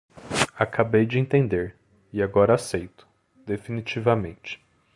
Acabei de entender, e agora aceito, definitivamente